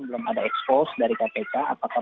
belum ada expose dari kpk apakah